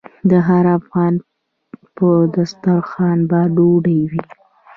د هر افغان په دسترخان به ډوډۍ وي؟